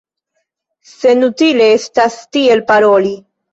Senutile estas tiel paroli.